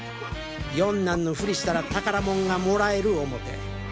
四男のフリしたら宝物がもらえる思て。